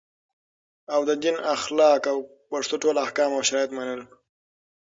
او د دین اخلاق او پښتو ټول احکام او شرایط منل